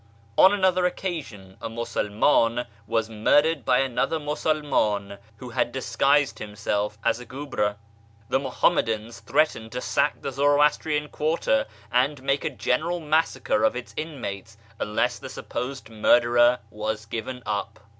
On another occasion a Musulman was murdered by another ^lusulman who had disguised himself as a guebre. The ]\Iuhammadans threatened to sack the Zoroastrian quarter and make a general massacre of its inmates unless the supposed murderer was given up.